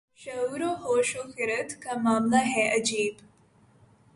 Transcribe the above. شعور و ہوش و خرد کا معاملہ ہے عجیب